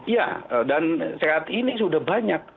ya dan saat ini sudah banyak